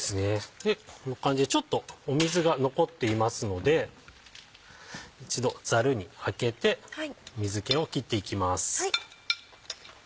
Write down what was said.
こんな感じでちょっと水が残っていますので一度ザルにあけて水気を切っていきます。